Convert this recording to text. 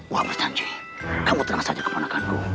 wak bercanji kamu tenang saja kepadakanku